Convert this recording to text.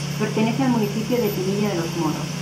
Pertenece al municipio de Pinilla de los Moros.